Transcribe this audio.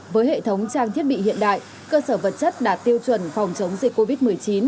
với hệ thống trang thiết bị hiện đại cơ sở vật chất đạt tiêu chuẩn phòng chống dịch covid một mươi chín